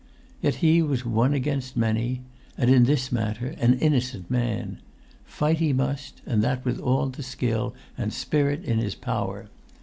Yet he was one against many; and, in this matter, an innocent man. Fight he must, and that with all the skill and spirit in his power.